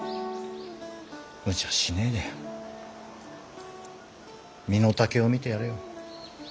ムチャしねえで身の丈を見てやれよ。